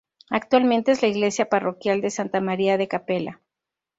Actualmente es la iglesia parroquial de Santa María da Capela.